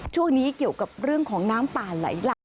ช่วงนี้เกี่ยวกับเรื่องของน้ำป่าไหลหลาก